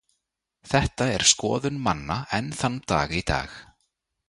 Þetta er skoðun manna enn þann dag í dag.